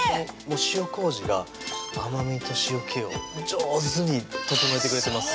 塩麹が甘みと塩けを上手に調えてくれてます